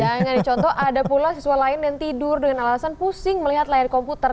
jangan dicontoh ada pula siswa lain yang tidur dengan alasan pusing melihat layar komputer